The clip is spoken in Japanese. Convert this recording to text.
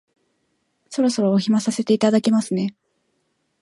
そろそろお暇させていただきますね